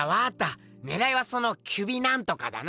ねらいはそのキュビナントカだな！